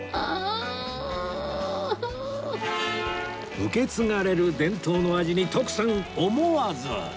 受け継がれる伝統の味に徳さん思わず